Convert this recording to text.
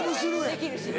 できるし。